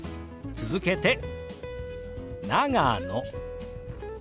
続けて「長野」。